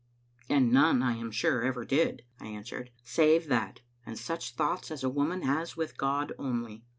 " "And none, I am scire, ever did," I answered, "save that, and such thoughts as a woman has with God only.